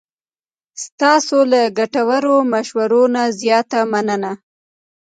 ستاسو له ګټورو مشورو نه زیاته مننه.